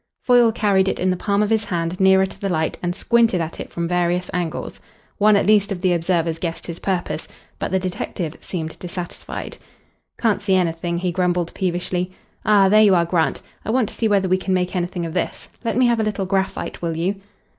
Foyle carried it in the palm of his hand nearer to the light and squinted at it from various angles. One at least of the observers guessed his purpose. But the detective seemed dissatisfied. "Can't see anything," he grumbled peevishly. "Ah, there you are, Grant. I want to see whether we can make anything of this. Let me have a little graphite, will you?"